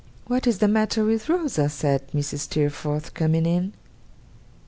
'What is the matter with Rosa?' said Mrs. Steerforth, coming in.